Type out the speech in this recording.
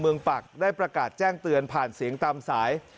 ปักได้ประกาศแจ้งเตือนผ่านเสียงตามสาย